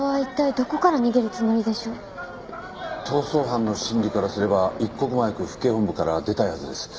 逃走犯の心理からすれば一刻も早く府警本部から出たいはずです。